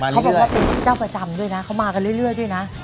เขาบอกว่าเป็นเจ้าประจำด้วยนะเขามากันเรื่อยด้วยนะ